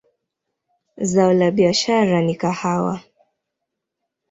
Zao la biashara ni kahawa.